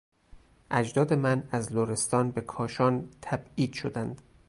اجداد من از لرستان به کاشان تبعید شدند.